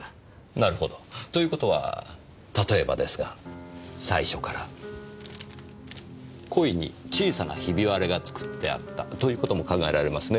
なるほど。という事は例えばですが最初から故意に小さなひび割れが作ってあったという事も考えられますね。